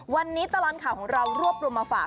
วันนี้ตลอดข่าวของเรารวบรวมมาฝาก